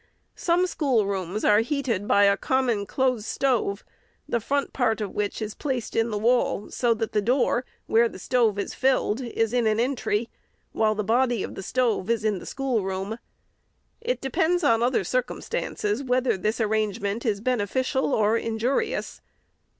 Some schoolrooms are heated by a common close stove, the front part of which is placed in the wall, so that the door, where the stove is filled, is in an entry, while the body of the stove is in the schoolroom. It depends on other circumstances, whether this arrangement is beneficial or injurious.